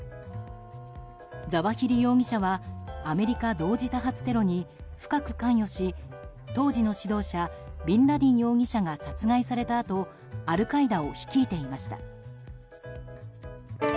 ザワヒリ容疑者はアメリカ同時多発テロに深く関与し、当時の指導者ビンラディン容疑者が殺害されたあとアルカイダを率いていました。